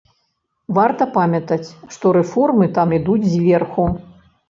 Варта памятаць, што рэформы там ідуць зверху.